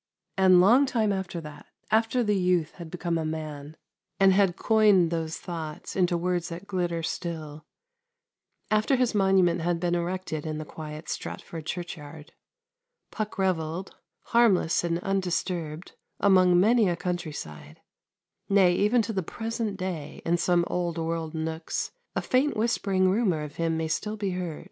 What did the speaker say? And long time after that after the youth had become a man, and had coined those thoughts into words that glitter still; after his monument had been erected in the quiet Stratford churchyard Puck revelled, harmless and undisturbed, along many a country side; nay, even to the present day, in some old world nooks, a faint whispering rumour of him may still be heard.